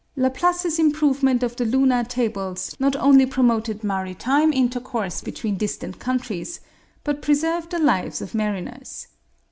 Laplace's improvement of the lunar tables not only promoted maritime intercourse between distant countries, but preserved the lives of mariners.